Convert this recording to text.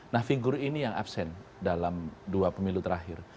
nah figur ini yang absen dalam dua pemilu terakhir